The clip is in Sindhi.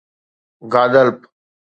گادالپ